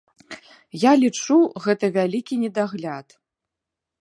Я лічу, гэта вялікі недагляд.